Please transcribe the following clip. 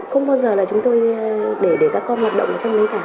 không bao giờ là chúng tôi để các con hoạt động ở trong đấy cả